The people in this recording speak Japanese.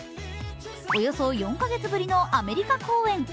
およそ４カ月ぶりのアメリカ公演。